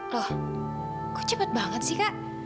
loh kok cepet banget sih kak